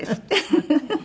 フフフフ。